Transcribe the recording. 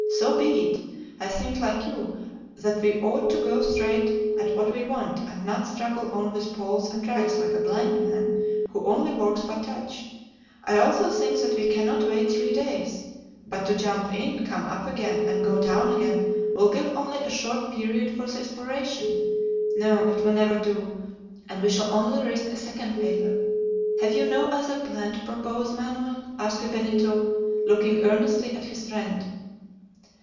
"So be it. I think, like you, that we ought to go straight at what we want, and not struggle on with poles and drags like a blind man who only works by touch. I also think that we cannot wait three days. But to jump in, come up again, and go down again will give only a short period for the exploration. No; it will never do, and we shall only risk a second failure." "Have you no other plan to propose, Manoel?" asked Benito, looking earnestly at his friend.